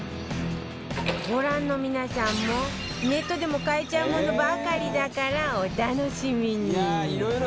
ご覧の皆さんもネットでも買えちゃうものばかりだからお楽しみに！